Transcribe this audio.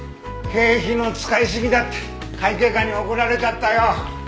経費の使いすぎだって会計課に怒られちゃったよ。